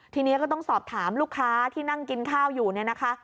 ทีนี้ก็ต้องสอบถามลูกค้าที่นั่งกินข้าวอยู่เนี่ยนะคะ